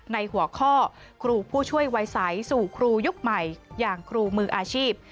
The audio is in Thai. ในหัวข้อครูผู้ช่วยวัยใสสู่ครูยุคใหม่อย่างครูมืออาชีพ